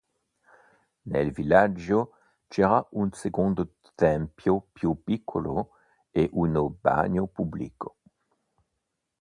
Nel villaggio c'era un secondo tempio più piccolo e uno bagno pubblico.